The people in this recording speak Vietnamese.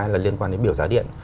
là liên quan đến biểu giá điện